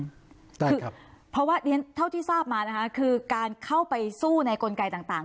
คือเพราะว่าเรียนเท่าที่ทราบมานะคะคือการเข้าไปสู้ในกลไกต่าง